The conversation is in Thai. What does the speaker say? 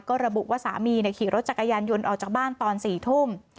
ก็ระบุว่าสามีขี่รถจักรยานยนต์ออกจากบ้านตอน๔ทุ่ม